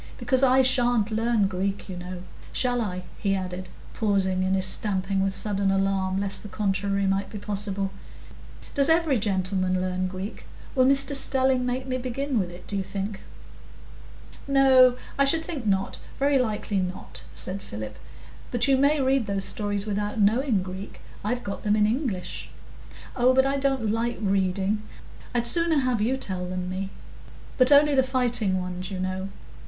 Because I sha'n't learn Greek, you know. Shall I?" he added, pausing in his stamping with a sudden alarm, lest the contrary might be possible. "Does every gentleman learn Greek? Will Mr Stelling make me begin with it, do you think?" "No, I should think not, very likely not," said Philip. "But you may read those stories without knowing Greek. I've got them in English." "Oh, but I don't like reading; I'd sooner have you tell them me. But only the fighting ones, you know.